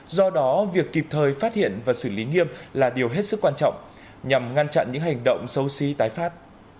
do đó việc kịp thời phát hiện và xử lý nghiêm là điều hết sức quan trọng nhằm ngăn chặn những hành động xấu xí tái phát